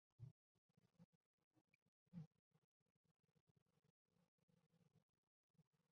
这样就可知道未来与古代的居住地地图。